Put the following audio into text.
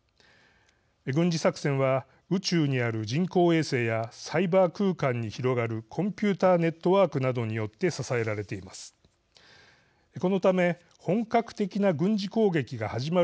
軍事作戦は宇宙にある人工衛星やサイバー空間に広がるコンピューターネットワークなどによって支えられています。